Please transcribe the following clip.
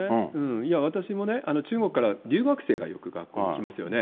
いや、私もね、中国から留学生がよく学校に来ますよね。